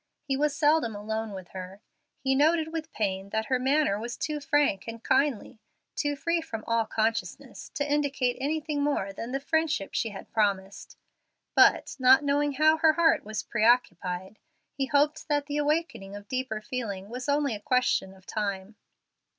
He was seldom alone with her; he noted with pain that her manner was too frank and kindly, too free from all consciousness, to indicate anything more than the friendship she had promised; but, not knowing how her heart was preoccupied, he hoped that the awakening of deeper feeling was only a question of time.